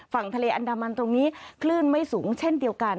ฝั่งทะเลอันดามันตรงนี้คลื่นไม่สูงเช่นเดียวกัน